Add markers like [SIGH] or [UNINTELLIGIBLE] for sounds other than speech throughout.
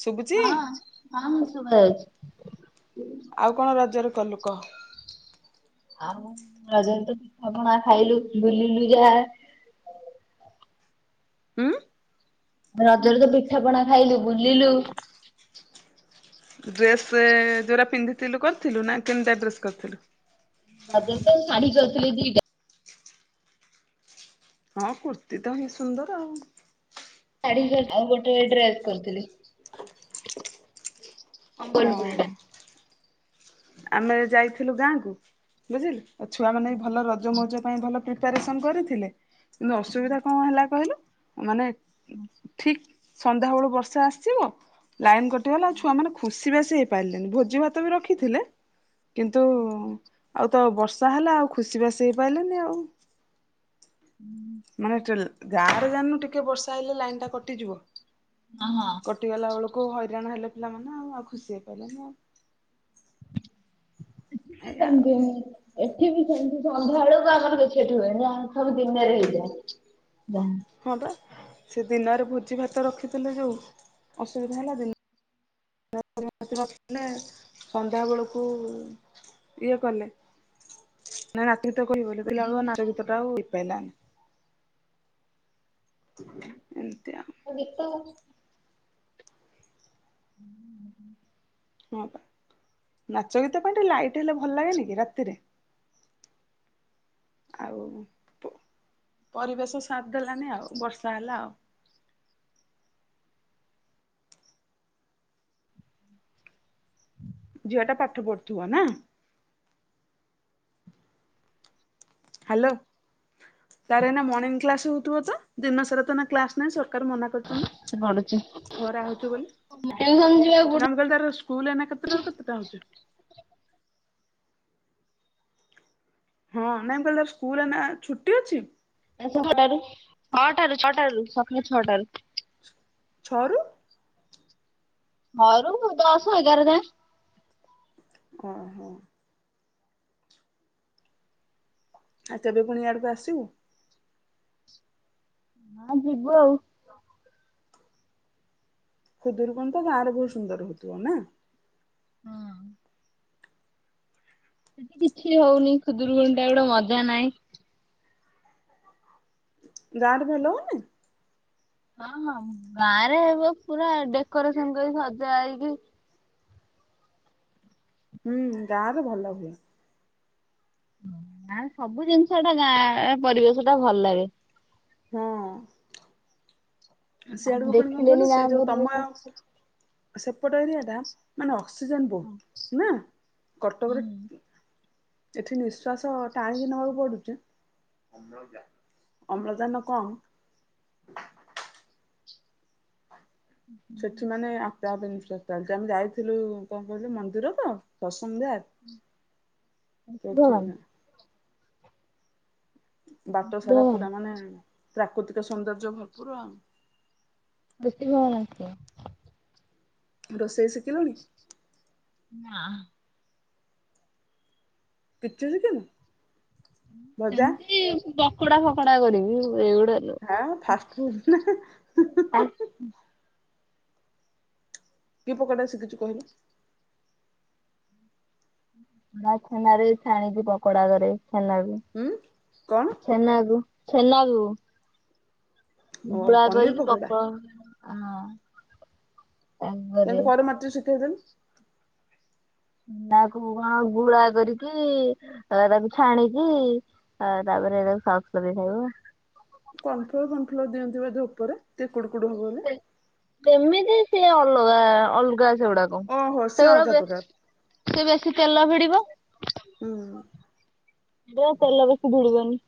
ଶୁଭୁଛି ହଁ ଶଭା ଯାଉଛି। ଆଉ କଣ ରାଜ୍ୟରେ କହଲୁ କ? ଆଉ ରଜରେ ପଠାପଣା ଖାଇଲୁ ବୁଲିଲୁ ଯାହା ଉମଂ। ରଜରେ ତ ପିଠାପଣା ଖାଇଲୁ ବୁଲିଲୁ। ଡ୍ରେସ ଯୋଉ ରା ପିନ୍ଧିଥିଲୁ କରିଥିଲୁ ନା କେନିଟା ଡ୍ରେସ କରିଥିଲୁ। ରାଜା ରେ ଟ ଶାଢୀ କରିଥିଲେ ଦିଟା ହଁ କୁର୍ତ୍ତୀ ତ ହିଁ ସୁନ୍ଦର ଆଉ। ସାଢୀ ଆଉ ଗୋଟେ ଡ୍ରେସ୍ କରିଦେଲି। ହଁ। ସମ୍ବଲପୁର ଟା ଆମେ ଯାଇଥିଲୁ ଗାଁ କ ବୁଝିଲି ଆ ଛୁଆ ମାନେ ବି ଭଲ ରଜ ମଉଜ ପାଇଁ ଭଲ। ପ୍ରିପାରେସନ କରିଥିଲେ କିନ୍ତୁ ଅସୁବିଧା କଣ ହେଲା କହିଲୁ ମାନେ ହୁଁ। ଠିକ ସନ୍ଧ୍ୟାବେଳୁ ବର୍ଷା ଆସଯିବ ଲାଇନ କଟଗଲା ଆଉ ଛୁଆ ମାନେ ଖୁସି ସି ବାସି ହେଇପାରିଲେନି ଭୋଜି ଭାତ ବି ରଖିଥିଲେ। କିନ୍ତୁ ଆଉ ତ ବର୍ଷା ହେଲା ଆଉ ଖୁସିିବାସି ହେଇପାରିଲେନି ଆଉ। ହୁଁ ମାନେ ଯେଲ୍ ଗାଁ ରେ ଜାଣିନୁ ଟିକେ ବର୍ଷା ହେଲେ ଲାଇନ ଟା କଟିଯିବ। ହଁହଁ କଟିଗଲା ବେଳକୁ ହଇରାଣ ହେଲେ ପିଲାମାନେ ଆଉ ଆଉ ଖୁସି ହେଇ ପାଇଲେନି ଆଉ। ଏଠି ଏଇଆ ବି ସେମତି ଏଠି ବି ସେମିତି ସନ୍ଧ୍ୟା ବେଳୁକୁ [UNINTELLIGIBLE] ସବୁ ଦିନରେ ହେଇଯାଏ। ହଁ ବା ସେ ଦିନରେ ଭୋଜି ଭାତ ରଖିଥିଲେ ଯୋଉ ଅସୁବିଧା ହେଲା ଦି ସନ୍ଧ୍ୟା ବେଳକୁ ଇଏ କଲେ ନା ନାତ ଟା କରିବ ବୋଲି କଲା ବେଳକୁ ଦିନରେ ନାଚ ଗୀତ ଆମର ଟା ଆଉ ଏଠି ହେଇପାରିଲାନି। ଏମତି ଆ ଗୀତ ହୁଁ ହଁ ନାଚ ଗୀତ ପାଇଁ ଟିକେ ଲାଇଟ୍ ହେଲେ ଭଲ ଲାଗେନି କି ରାତିରେ। ଆଉ ପ ପରିବେଶ ସାଥ୍ ଦେଲାନି ଆଉ ବର୍ଷା ହେଲା ଆଉ। ଝିଅ ଟା ପାଠ ପଢୁଥିବ ନା? ହ୍ୟାଲୋ ତାର ଏଇନା ମର୍ନିଙ୍ଗ କ୍ଲାସ ହୋଉଥିବ ତ ଦିନ ସାରା ତ ନା କ୍ଲାସ ନାହିଁ। ସରକାର ମନା କରିଚନ୍ତି। ପଡୁଛି ଖରା ହେଉଚି ବୋଲି ଟିଉସନ ଯିବାକୁ ନାଁ ମୁଁ କହିଲି ତାର ସ୍କୁଲ ଏନା କେତେଟାରୁ କେତେଟା ହୋଉଚି? ହଁ ନାଇଁ ବଲେ ସ୍କୁଲ ଏନା ଛୁଟି ଅଛି। ଛଅ ଟାରୁ ଛଅ ଟାରୁ ସକାଳ ଛ‌ଅ ଟାରୁ। ଛଅ ରୁ ଘରୁ ଦଶ ଏଗାର ଯାଏଁ। ଉଁ ହୁଁ ଆଉ ତେବେ ପୁଣି ଇଆଡୁକୁ ଆସିବୁ? ହଁ ଯିବୁ ଆଉ। ଖୁଦୁୁରୁ କୁଣି ତ ଗାଁରେ ବୋହୁତ ସୁନ୍ଦର ହୋଉଥିବ ନା? ହଁ ସେଠି କିଛି ହୋଉନି ଖୁଦୁରୁକୁୁଣି ଟା ଗୋଟେ ମଜା ନହିଁ। ଗାଁ ରେ ଭେଲ ହୋଉନି? ହଁ ହଁ ଗାଁ ରେ ଏବେ ପୁରା ଡେକୋରେସନ କରି ସଜା ହେଇକି ହୁଁ ଗାଁରେ ଭଲ ହୁଏ। ଗାଁ ରେ ସବୁ ଜିନିଷ ଟା ଗାଁ ପରିବେଶ ଟା ଭଲ ଲାଗେ। ହଁ ଆମେ ସିଆଡକୁ ପୁଣି କଣ କଇଲୁ ଦେଖିଲେନି ସେ ଗାଁ ଯୋଉ ପରିବେଶ। ତମୟ ସେପଟ ଏରିଆଟା ମାନେ ଅକ୍ସିଜନ ବହୁତ ନା କଟକରେ ଏଠି ନିଃଶ୍ଵାସ ଟାଣିକି ନବାକୁ ପଡ଼ୁଚି। ଅମ୍ଳଜାନ କମ୍। [INAUDIBLE] ସେଠି ମାନେ ଆପେ ଆପେ ନାଶ୍ଵାସ ଚାଲୁଚି ଆମେ ଯାଇଥିଲୁ କଣ କହିଲୁ ମନ୍ଦିର ତ ପ୍ରସନ୍ଧା ପ୍ରସନ୍ଧ୍ୟା। ଭଗବାନ ସେଠି ବାଟ ସାରା ପୁରା ମାନେ ପ୍ରାକୃତିକ ସୌନ୍ଦର୍ଯ୍ୟ ଭରପୁର ଆଉ। [UNINTELLIGIBLE] ରୋଷେଇ ଶିଖିଲୁଣି? ନାଁ କିଛି ସିଖିନୁ ଭଜା? ଚି ପକଡା ଫକଡା କରିବି। ଏଇଗୁଡା ହାଁ ଫାଷ୍ଟ ଫୁଡ ହିଁହିଁ ହିଁ ହିଁ ହିଁ କି ପକଡା ଶିକିଚୁ କହିଲ? ମୁଁ ଛେନରେ ଛାଣିକି ପକଡା କରେ ଛେନାରେ। ଉଁ କଣ? ଛେନାକୁ ଛେନାକୁ। ଓ ଗୁଳା ପନିର କରିକି ପକୋଡା ପକଡା ହଁ। କେମିତି କରେ ମତେ ଶିଖେଇ ଦେଏନି। ଉଁ ତାକୁ କଣ ଗୁଳା କରିକି ତାପରେ ତାକୁ ଛାଣିକି ହଁ ତାପରେ ହେଟାକୁ ସସ୍ ଲଗେଇ ଖାଇବୁ। କନଫ୍ଲୋର ଫନଫ୍ଲୋର ଦିଅନ୍ତି ବୋଧେ ଉପରେ ଟିକେ କୁଡୁ କୁଡୁ ହବ ବୋଲି। ଯେମିତି ସିଏ ଅଲଗା ଅଲଗା ସେଗୁଡାକ ଓହୋ ସିଏ ସେଗୁଡା ଅଲଗା ବେ ପ୍ରକାର ସେ ବେଶୀ ତେଲ ଭିଡିବ ହୁଁ ଇଏ ତେଲ ବେଶୀ ଭିଡିବନି।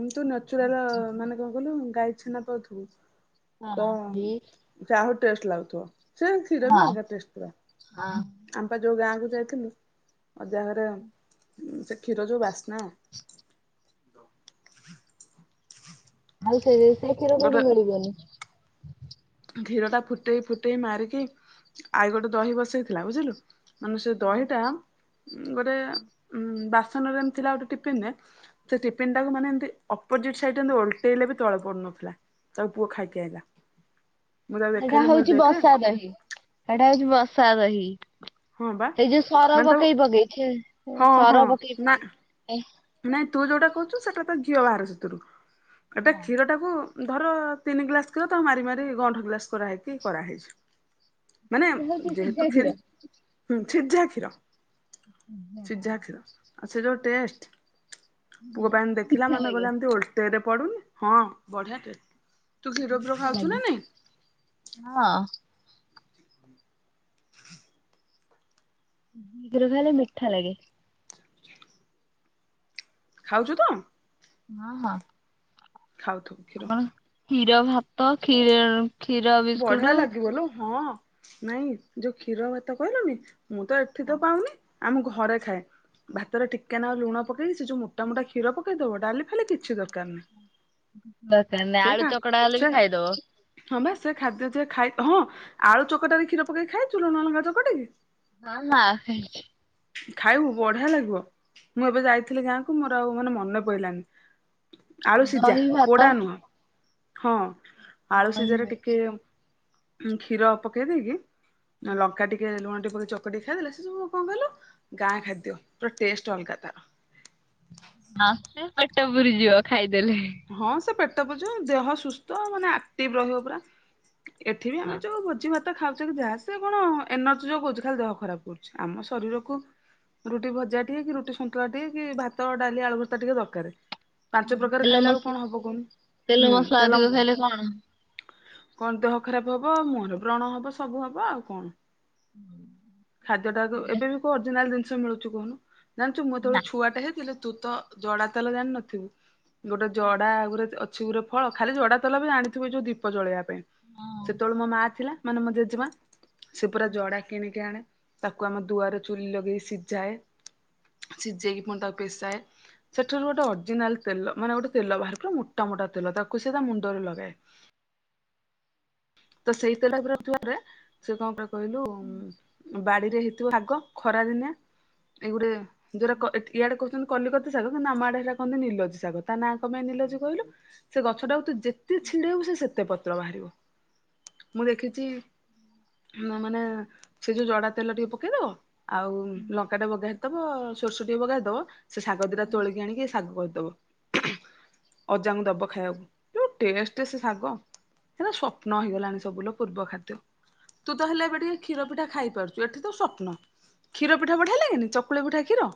ଉଁ ତୁ ନେଚୁରାଲ ମାନେ କଣ କହିଲୁ ଗାଈ ଛେନା ପାଉଥୁବୁ ତ ହଁ ବି ଯାହୋଉ ଟେଷ୍ଟ ଲାଗୁଥୁବ ସେ କ୍ଷୀର ହଁ ବି ଅଲଗା ଟେଷ୍ଟ ପୁରା। ହଁ। ଆମ ପା ଯୋଉ ଗାଁ କୁ ଯାଇଥିଲୁ ଅଜା ହରେ ସେ କ୍ଷୀର ଯୋଉ ବାସ୍ନା। ଆଉ ସେଇ ସେ କ୍ଷୀର କୋଉଠି ମିଳିବେନି। କ୍ଷୀରଟା ଫୁଟେଇ ଫୁଟେଇ ମାରିକି ଆଈ ଗୋଟେ ଦହି ବସେଇଥିଲା ବୁଝିଲୁ ମାନେ ସେ ଦହିଟା ଗୋଟେ ଉଁ ବାସନରେ ଏମ ଥିଲା ଗୋଟେ ଟିଫିନରେ ସେ ଟିଫିନଟାକୁ ମାନେ ଏମତି ଅପୋଜିଟ ସାଇଡରେ ଏମତି ଓଲଟେଇଲେ ବି ତଳେ ପଡୁନଥୁଲା। ତାକୁ ପୁଅ ଖାଇକି ଆଇଲା। ମୁଁ ତାକୁ ସେଟା ଦେଖେଇଲି ମୁଁ ହୋଉଚି କହିଲି ଦେଖେ ବସାଦହି। ହେଟା ହୋଉଚି ବସାଦହିି ହଁ ବା ସେଇ ଯୋଉ ସର ମାନେ ତାକୁ ପକେଇ ପକେଇ କ୍ଷୀ ଏ ହଁ ହଁ ସର ପକେଇ ନା ପକେଇ ଏ ନାଇଁ ତୁ ଯୋଉଟା କୋହୁଚୁ ସେଟା ତ ଘିଅ ବାହାରେ ସେଥିରୁ ଏଟା କ୍ଷୀରଟାକୁ ଧର ତିନି ଗ୍ଲାସ କ୍ଷୀର ତାକୁ ମାରି ମାରି ଗଣ୍ଠ ଗ୍ଲାସ କରାହେଇକି କରାହେଇଛି। ମାନେ ଏଇଟା ହଉଛି ସିଝା ଯେହେତୁ କ୍ଷୀର୍ କ୍ଷୀର ହୁଁ ସିଝା କ୍ଷୀର ସିଝା କ୍ଷୀର ଆଉ ସେ ଯୋଉ ଟେଷ୍ଟ ପୁଅ ପା ଏମତି କ୍ଷୀର ଦେଖିଲା ମିଠା ମାମା ଲାଗେ। କହିଲା ଏମତି ଓଲ୍ ଇଲେ ପଡୁନି ହଁ ବଢିଆ ଟେଷ୍ଟ ତୁ କ୍ଷୀର ଫିର ଖାଉଚୁ ଲାଗେ ନା ନାଇଁ? ହଁ। କ୍ଷୀର ଖାଇଲେ ମିଠା ଲାଗେ। ଖାଉଚୁ ତୁ? ହଁ ହଁ। ଖାଉଥୁବୁ। ଆମର କ୍ଷୀର ଭାତ କ୍ଷୀରର ବଢିଆ ଲାଗିବ ଲୋ ହଁ। ନାଇଁ ଯୋଉ କ୍ଷୀର ଭାତ କହିଲୁନି ମୁଁ ତ ଏଠି ତ ପାଉନି ଆମ ଘରେ ଖାଏ। ଭାତରେ ଟିକେ ନାକୁରୁ ଲୁଣ ପକେଇକି ସେଇ ଯୋଉ ମୋଟା ମୋଟା କ୍ଷୀର ପକେଇଦବ ଡାଲି ଫାଲି କିଛି ଦରକାର ନାଇଁ। ଦରକାର୍ ନାହିଁ ଆଳୁ ଚକଟା ଗଲେ ସେ ବି ଖାଇଦବ। ହଁ ପା ସେ ଖାଦ୍ୟ ଯିଏ ଖାଇ ହଁ ଆଳୁ ଚକଟାରେ କ୍ଷୀର ପକେଇକି ଖାଇଚୁ ଲୁଣ ଲଙ୍କା ଚକଟିକି? ହଁ ନା ଖାଇନି। ଖାଇବୁ ବଢିଆ ଲାଗିବ। ମୁଁ ଏବେ ଯାଇଥିଲି ଗାଁକୁ ମୋର ଆଉ ମାନେ ମନେ ପଇଲାନି। ଆଳୁ ସିଜା ଦହି ଭାତ ପୋଡା ନୁହଁ ହଁ ଆଳୁ ଦହି ସିଜାରେ ଟି ଭାତ କ୍ଷୀର ପକେଇ ଦେଇକି ଲଙ୍କା ଟିକେ ଲୁଣ ଟିକେ ପକେଇ ଚ କଟିକି ଖାଇଦେଲେ ସେ ସବୁ କଣ କିଲ ଗାଁ ଖାଦ୍ୟ ପୁରା ଟେଷ୍ଟ ଅଲଗା ତାର। ମାସେ ପେଟ ପୁରିଯିବ ଖାଇଦେଲେ। ହଁ ସେ ପେଟ ପୁରିଯିବ ଦେହ ସୁସ୍ଥ ମାନେ ଆକ୍ଟିଭ ରହିବ ପୁରା। ଏଠି ବି ଆମେ ହଁ ଯୋଉ ଭୋଜି ଭା ଖାଉଛ ଯାହା ସେ କଣ ଏନର୍ଜି ଯୋଗଉଛି ଖାଲି ଦେହ ଖରାପ କରୁଛି ଆମ ଶରୀର କୁ ରୁଟି ଭଜା ଟିକେ କି ରୁଟି ଶନ୍ତୁଳା ଟିକେ କି ଭାତ ଡାଲି ଆଳୁ ଭର୍ତ୍ତା ଟିକେ ଦରକାର ପାଞ୍ଚ ପ୍ରକାର ତେଲ ଖାଇଲା ବେଳକୁ ମସଲା କଣ ହବ କୁହୁନୁ। ତେଲ ହୁଁ ମସଲା ତେଲ ଅଧିକ ଖାଇଲେ କଣ କଣ ଦେହ ଖରାପ ହବ ମୁହଁରେ ବ୍ରଣ ହବ ସବୁ ହବ ଆଉ କଣ। ଖାଦ୍ୟ ଟାକୁ ଏବେ ବି କଉ ଅରିଜିନାଲ ଜିନିଷ ମିଳୁଛି କହୁନୁ। ଜାଣିଛୁ ମୁଁ ନା ଯେତେବେଳେ ଛୁଆଟେ ହେଇଥିଲି ତୁ ତ ଜଡା ତେଲ ଜାଣିିନଥିବୁ। ଗୋଟେ ଜଡା ଗୋରେ ଅଛି ଗୋଟେ ଫଳ ଖାଲି ଜଡା ତଲ ବି ଜାଣିଥିବୁ ଯୋଉ ଦୀପ ଜଳେଇବା ପାଇଁ। ହଁ। ସେତେବେଳେ ମୋ ମା ଥିଲା ମାନେ ମୋ ଯେଯେମା ସେ ପୁରା ଯଡା କିଣିକି ଆଣେ ତାକୁ ଆମ ଦୁଆରେ ଚୁଲି ଲଗେଇ ସିଝାଏ ସିଝେଇକି ପୁଣି ତାକୁ ପିସାଏ ସେଠାରୁ ଗୋଟେ ଅରିଜିନାଲ ତେଲ ମାନେ ଗୋଟେ ତେଲ ବାହାର ପୁରା ମୋଟା ମୋଟା ତେଲ ତାକୁ ସେ ତା ମୁଣ୍ଡରେ ଲଗାଏ। ତ ସେଇ ତେଲ [UNINTELLIGIBLE] ସେ କଣ କରେ କହିଲୁ ବାଡିରେ ହେଇଥିବ ଶାଗ ଖରା ଦିନିଆ ଏଇଗୁରେ ଯୋଉରାକ ଏଠି ଇଆଡେ କହୁଛନ୍ତି କଲିକତି ଶାଗ କିନ୍ତୁ ଆମ ଆଡେ ହେରା କହନ୍ତି ନିଲୋଜୀଶାଗ। ତା ନାଁ କଣ ପାଇଁ ନିଲୋଜୀ କହିଲୁ? ସେ ଗଛ ଟାକୁ ତୁ ଯେତେ ଛିଡେଇବୁ ସେ ସେତେ ପତ୍ର ବାହାରିବ। ମୁଁ ଦେଖିଚି ମାନେ ସେ ଯୋଉ ଜଡା ତେଲ ଟିକେ ପକେଇଦବ ଆଉ ଲଙ୍କାଟେ ବଘାରି ଦବ ସୋରିଷ ଟିକେ ବଘାରି ଦବ ସେ ଶାଗ ଦିଟା ତୋଳିକି ଆଣିକି ଶାଗ କରିଦବ। ଅଜାଙ୍କୁ ଦବ ଖାଇବାକୁ ଯୋଉ ଟେଷ୍ଟେ ସେ ଶାଗ ହେରା ସ୍ଵପ ନ ହେଇଗଲାଣି ସବୁ ଲୋ ପୂର୍ବ ଖାଦ୍ୟ। ତୁ ତ ହେଲେ ଏବେ ଟିକେ କ୍ଷୀର ପିଠା ଖାଇପାରୁଚୁ। ଏଠି ତ ସପ୍ନ। କ୍ଷୀରପିଠା ବଢିଆ ଲାଗେନି ଚକୁଳି ପିଠା କ୍ଷୀର।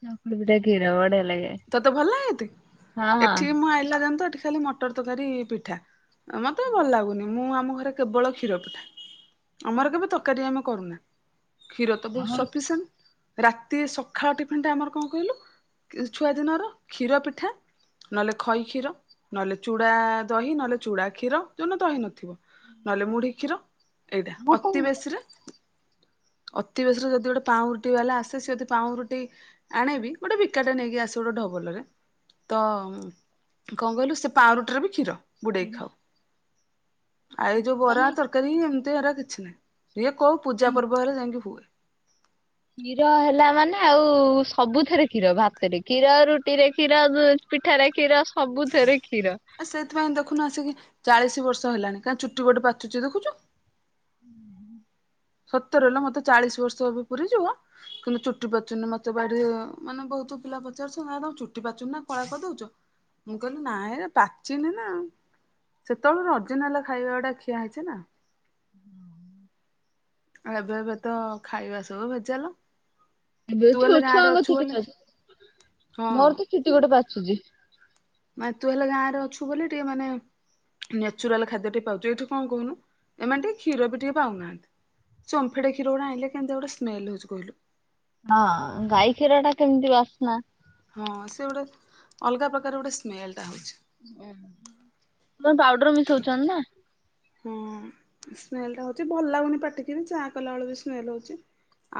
ଚକୁଳି ପିଠା କ୍ଷୀର ବଢିଆ ଲାଗେ। ତତେ ଭଲ ଲାଗେ ଏତେ ହଁ ହଁ ଏଠି ମୁଁ ଆଇଲା ଦେନ୍ତୁ ଏଠି ଖାଲି ମ ଟର ତରକାରୀ ପିଠା ମତେ ଭଲ ଲାଗୁନି। ମୁଁ ଆମ ଘରେ କେବଳ କ୍ଷୀର ପିଠା। ଆମର କେବେ ତରକାରୀ ଆମେ କରୁନା କ୍ଷୀର ତ ବହୁ ସଫିସେଣ୍ଟ। ରାତି ସଖାଳ ଟିଫିନ ଟା ଆମର କଣ କହିଲୁ ଛୁଆ ଦିନର କ୍ଷୀର ପିଠା ନଲେ ଖଇ କ୍ଷୀର ନଲେ ଚୁଡା ଦହି ନଲେ ଚୁଡ଼ା କ୍ଷୀର ଯୋଉଦିନ ଦହି ନଥି ଥିବ ନଲେ ମୁଢି କ୍ଷୀର ଏଇଟା ମୁଁ ତ ଅତି ବେଶୀରେ ଅତିବେଶୀରେ ଯଦି ଗୋଟେ ପାଉଁରୁଟି ବାଲା ଆସେ ସେ ଯଦି ପାଉଁରୁଟି ଆଣେବି ଗୋଟେ ଭିକାଟେ ନେଇକି ଆସିବ ଗୋଟେ ଢବଲରେ ତ କଣ କହିଲୁ ସେ ପାଉରୁଟିରେ ବି କ୍ଷୀର ବୁଡେଇକି ଖାଉ। ଆ ଏଇ ଯୋଉ ବରା ମାନେ ତରକାରୀ ଏମିତି ଏରା କିଛି ନୁହେଁ। ଇଏ କୋଉ ପୂଜା ପର୍ବରେ ଯାଇକି ହୁଏ। କ୍ଷୀର ହେଲା ମାନେ ଆଉ ସବୁଥିରେ କ୍ଷୀର ଭାତରେ କ୍ଷୀର ରୁଟିରେ କ୍ଷୀର ପିଠାରେ କ୍ଷୀର ସବୁଥେରେ କ୍ଷୀର। ଆ ସେଇଥିପାଇଁ ଦେଖୁନୁ ଆସିକି ଚାଳିଶ ବର୍ଷ ହେଲାଣି କାଇଁ ଚୁଟି ଗୋଟେ ପାଚୁଚି ଦେଖୁଚୁ। ହୁଁ ହୁଁ। ସତରେ ଲୋ ମତେ ଚାଳିଶ ବର୍ଷ ହବ ପୁରୀ ଯିବ କିନ୍ତୁ ଚୁଟି ପାଚୁନି ମତେ ବାଡି ମାନେ ବହୁତ ପିଲା ପଚାରୁଛ ଚୁଟି ପାଚୁନି ନା କଳା କରିଦଉଚ? ମୁଁ କହିଲି ନାଇ ପାଚିନି ନା। ସେତେବେଳୁ ଅର୍ଜିନାଲ ଖାଇବା ଗୁଡା ଖିଆହେଇଚି ନା। ଏବେ ଏବେ ତ ଖାଇବା ସବୁ ଭେଜାଲ। ଏବେ ତୁ ହେଲେ ତ ଗାଁରେ ଛୁଆଙ୍କ ଅଛୁ ଚୁଟି ବୋଲି ହଁ ପାଚୁଚି। ମୋର ତ ଚୁଟି ଗୋଟେ ପାଚୁଚି। ମାନେ ତୁ ହେଲେ ଗାଁ ରେ ଅଛୁ ବୋଲି ଟିକେ ମାନେ ନ୍ୟାଚୁରାଲ ଖାଦ୍ୟ ଟିକେ ପାଉଚୁ ଏଠୁ କଣ କହୁନୁ। ଏମାନେ ଟିକେ କ୍ଷୀର ବି ଟିକେ ପାଉନାହାନ୍ତି। ସେ ଓମ୍ଫେଡ କ୍ଷୀର ଗୁରା ଆଇଲେ କେମିତିଆ ସ୍ମେଲ୍ ହଉଚି କହିଲୁ। ହଁ ଗାଈ କ୍ଷୀର ଟା କେମିତି ବାସ୍ନା। ହଁ ସେ ଗୋଟେ ଅଲଗା ପ୍ରକାର ଗୋଟେ ସ୍ମେଲ ଟା ହଉଛି। ଉଁ ତମେ ପାଉଡର ମିଶଉଚ ନା। ହଁ ସ୍ମେଲ ଟା ହଉଚି ଭଲ ଲାଗୁନି ପାଟିକି ଚା କଲା ବେଳକୁ ବି ସ୍ମେଲ ହଉଚି।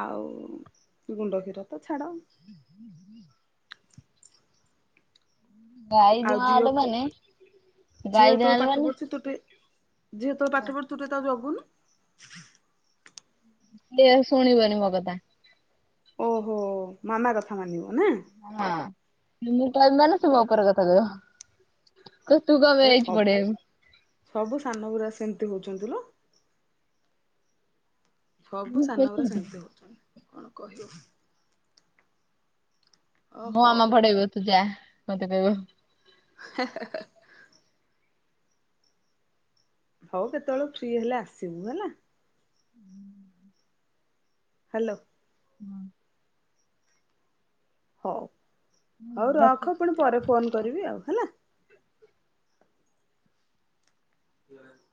ଆଉ ଗୁଣ୍ଡ କ୍ଷୀର ତ ଛାଡ଼। [INAUDIBLE] ଗାଈ ଆଉ ଧୂଆଁ ଝିଅକୁ ହେଲାମାନେ ଝିଅ ଗାଈ ଯେତେବେଳେ ଧୂଆଁ ପାଠ ହେଲାମାନେ ପଢୁଛି ତୁ ଟିକେ ଝିଅ ଯେତେଳେ ପାଠ ପଢୁଚି ତୁଟିକେ ତାକୁ ଯଗୁନୁ। ସିଏ ଶୁଣିବନି ମୋକଥା। ଓହୋ ମାମା କଥା ମାନିବନା। ହଁ ମୁଁ କହିବି ମାନେ ସେମୋଉପରେ କଥାକହିବ। କହିବ ତୁକଁପାଇଁ ଏ ଆଇଚୁ ସବ୍ ପଢେଇବାକୁ? ସବୁ ସାନ ଗୁୁରା ସେମିତି ହଉଚନ୍ତି ଲୋ। ସବୁ ସାନ ଗୁରା ସେମିତି ହଉଚନ୍ତି କଣ କହିବ? ଅ ହଉ। ମୋମାମା ପଢ଼େଇବତୁଯା ମତେକହିବ। ହେଁ ହେଁ ହେଁ। ହଉ କେତେବେଳୁ ଫ୍ରିହେଲେ ଆସିବୁ ହେଲା। ହାଲୋ। ହୁଁ। ହଉ ହଉ ରଖ ପୁଣିପରେ ଫୋନ୍ କରିବି ଆଉ ହେଲା। [UNINTELLIGIBLE]